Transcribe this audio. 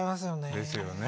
ですよね。